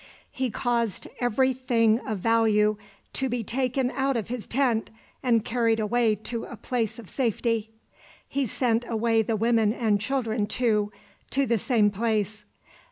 He caused every thing of value to be taken out of his tent and carried away to a place of safety. He sent away the women and children, too, to the same place.